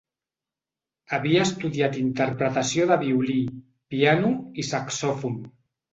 Havia estudiat interpretació de violí, piano i saxofon.